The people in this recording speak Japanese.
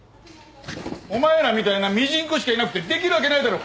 お前らみたいなミジンコしかいなくてできるわけないだろ！